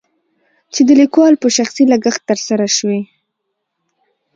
چې دليکوال په شخصي لګښت تر سره شوي.